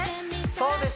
そうです